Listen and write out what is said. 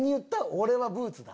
「俺はブーツだ」？